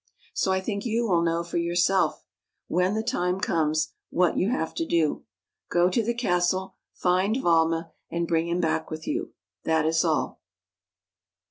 So I think you will know for yourself, when the time comes, what you have to do. Go to the castle, find Valma, and bring him back with you, — that is all."